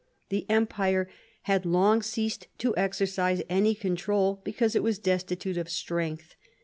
The Empire had long ceased to exercise any control, because it was destitute of strength.